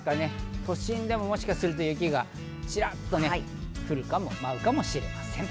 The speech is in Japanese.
都心でももしかすると雪がチラっと降るかも、舞うかもしれません。